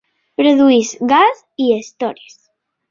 Produeix gas i estores.